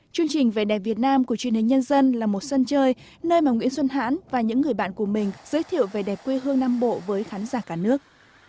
chương trình vẻ đẹp việt nam của truyền hình nhân dân là một sân chơi nơi mà nguyễn xuân hãn và những người bạn của mình giới thiệu về đẹp quê hương nam bộ với khán giả cả nước